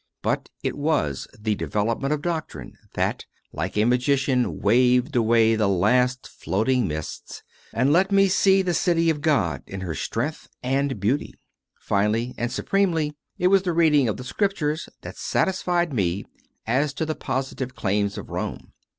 But it was "The Development of Doctrine" that, like a magi cian, waved away the last floating mists and let me see the City of God in her strength and beauty. 3. Finally and supremely, it was the reading of the Scriptures that satisfied me as to the posi tive claims of Rome.